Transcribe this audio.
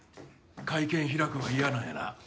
会見開くんは嫌なんやな。